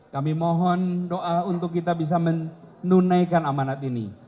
kami mohon doa untuk kita bisa menunaikan amanat ini